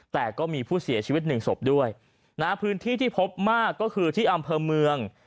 แต่ก็มีผู้เสียชีวิตหนึ่งศพด้วยนะฮะพื้นที่ที่พบมากก็คือที่อำเภอเมือง